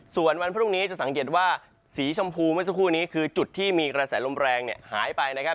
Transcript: ส่วนวันพรุ่งนี้จะสังเกตว่าสีชมพูเมื่อสักครู่นี้คือจุดที่มีกระแสลมแรงหายไปนะครับ